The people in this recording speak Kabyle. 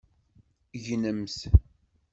Gnemt!